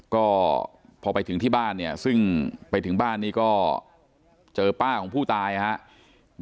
ก็พอไปถึงที่บ้านเนี่ยซึ่งไปถึงบ้านนี้ก็เจอป้าของผู้ตายครับ